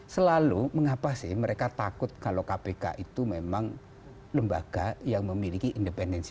selalu mengapa sih mereka takut kalau kpk itu memang lembaga yang memiliki independensi